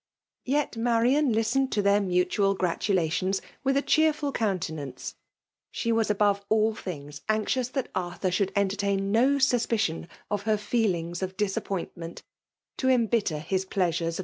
YetMarian listened to their mutual gfatni» tinnai with a. cheerftd countenance* She was aboae all things anxions that Axthur should entertain no suspicion o£ her feelings off dia^ afpniatment, to > embitter his pleasurea.